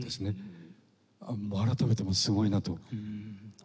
改めてすごいなと。